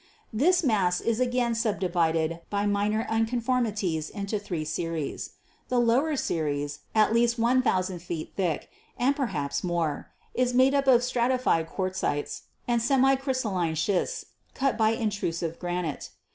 This mass is again subdivided by minor unconformities into three series. The lower series, at least 1,000 feet thick, and perhaps more, is made up of stratified quartzites and semi crystal 206 GEOLOGY line schists, cut by intrusive granite.